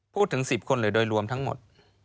พูดถึง๑๐คนเลยโดยรวมทั้งหมด